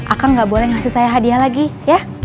akan gak boleh ngasih saya hadiah lagi ya